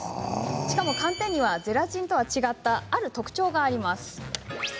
しかも、寒天にはゼラチンとは違ったある特徴があります。